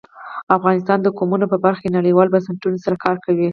افغانستان د قومونه په برخه کې نړیوالو بنسټونو سره کار کوي.